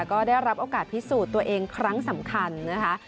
ก็ได้รับโอกาสพิสูจน์ตัวเองครั้งสำคัญนะคะ